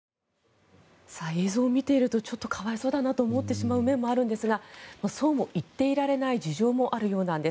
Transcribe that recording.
映像を見ているとちょっと可哀想だなと思ってしまう面もあるんですがそうも言っていられない事情もあるようなんです。